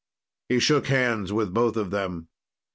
He shook hands with both of them.